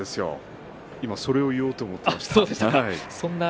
私もそれを言おうと思っていました。